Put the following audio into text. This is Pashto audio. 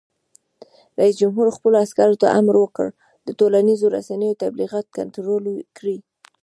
رئیس جمهور خپلو عسکرو ته امر وکړ؛ د ټولنیزو رسنیو تبلیغات کنټرول کړئ!